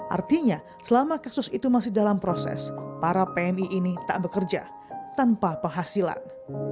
artinya selama kasus itu masih dalam proses para pmi ini tak bekerja tanpa penghasilan